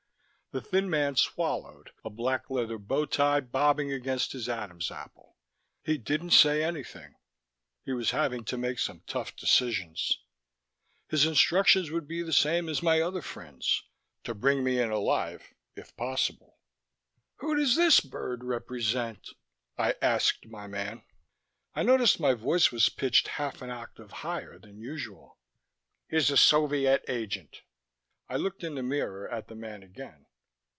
The thin man swallowed, a black leather bow tie bobbing against his Adam's apple. He didn't say anything. He was having to make some tough decisions. His instructions would be the same as my other friend's: to bring me in alive, if possible. "Who does this bird represent?" I asked my man. I noticed my voice was pitched half an octave higher than usual. "He's a Soviet agent." I looked in the mirror at the man again.